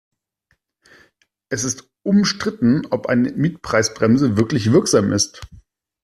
Es ist umstritten, ob eine Mietpreisbremse wirklich wirksam ist.